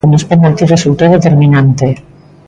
E nos penaltis resultou determinante.